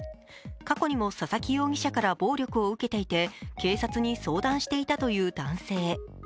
過去にも佐々木容疑者から暴力を受けていて警察に相談していたという男性。